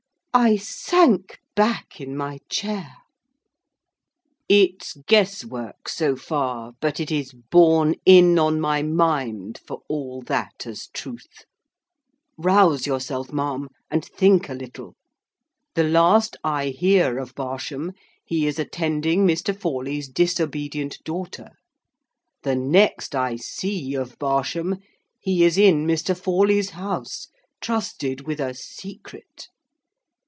I sank back in my chair. "It's guess work, so far, but it is borne in on my mind, for all that, as truth. Rouse yourself, ma'am, and think a little. The last I hear of Barsham, he is attending Mr. Forley's disobedient daughter. The next I see of Barsham, he is in Mr. Forley's house, trusted with a secret.